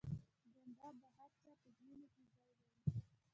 جانداد د هر چا په زړونو کې ځای لري.